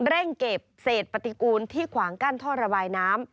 เร่งเก็บเศษปฏิกูลที่ขวางกั้นท่อระบายน้ำ